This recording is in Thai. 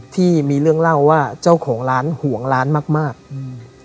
ที่มีเรื่องเล่าว่าเจ้าของร้านห่วงร้านมากมากอืม